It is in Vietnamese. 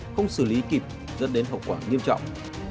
không xử lý kịp dẫn đến hậu quả nghiêm trọng